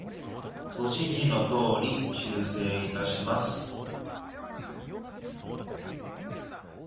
ご指示の通り、修正いたします。